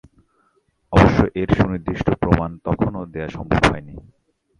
অবশ্য এর সুনির্দিষ্ট প্রমাণ তখনও দেয়া সম্ভব হয়নি।